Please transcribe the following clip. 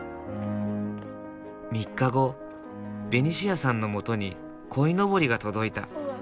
３日後ベニシアさんのもとに鯉のぼりが届いた。